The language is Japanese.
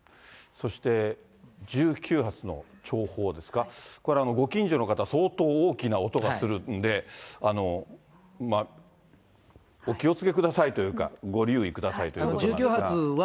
そして１９発の弔砲ですか、これはご近所の方、相当大きな音がするんで、お気をつけくださいというか、ご留意くださいということがありますが。